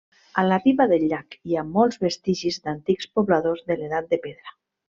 A la riba del llac hi ha molts vestigis d'antics pobladors de l'edat de Pedra.